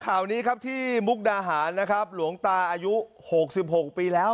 ข่าวนี้ครับที่มุกดาหารนะครับหลวงตาอายุ๖๖ปีแล้ว